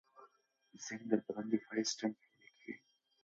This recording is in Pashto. زېنک د بدن دفاعي سیستم پیاوړی کوي.